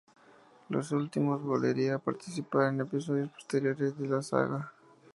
Los dos últimos volvería a participar en episodios posteriores de la saga.